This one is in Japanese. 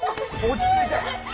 落ち着いて！